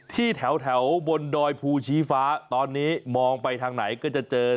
ที่แถวบนดอยภูชีฟ้าตอนนี้มองไปทางไหนก็จะเจอ